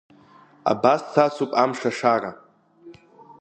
Абас сацуп амш ашара.